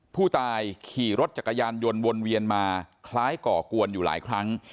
ผู้ตายขี่รถจักรยานยนต์วนเวียนมาคล้ายก่อกวนอยู่หลายครั้ง